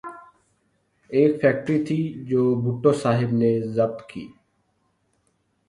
ایک فیکٹری تھی جو بھٹو صاحب نے ضبط کی۔